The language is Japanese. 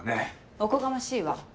おこがましいわ。